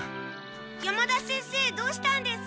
山田先生どうしたんですか？